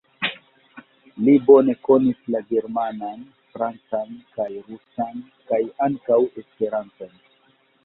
Li bone konis la germanan, francan kaj rusan, kaj ankaŭ esperanton.